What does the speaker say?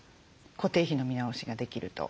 固定費の見直しができると。